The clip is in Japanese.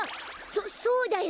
そそうだよ！